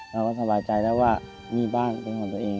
เราก็สบายใจแล้วว่ามีบ้านเป็นของตัวเอง